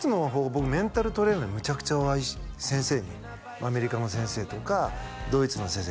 僕メンタルトレーナーにむちゃくちゃお会いアメリカの先生とかドイツの先生